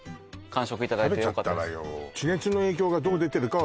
食べちゃったわよ